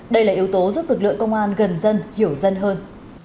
đây là yếu tố giúp lực lượng công an gần dân hiểu dân hơn